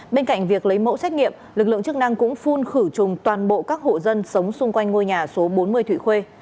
bên cạnh việc lấy mẫu xét nghiệm lực lượng chức năng cũng phun khử trùng toàn bộ các hộ dân sống xung quanh ngôi nhà số bốn mươi thụy khuê